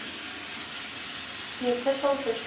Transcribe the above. ] THE EPISTLES OF ST.